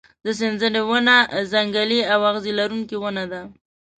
د سنځلې ونه ځنګلي او اغزي لرونکې ونه ده.